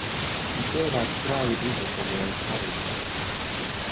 Un cilvēki strauji izveseļojas arī.